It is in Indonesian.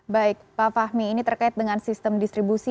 baik pak fahmi ini terkait dengan sistem distribusi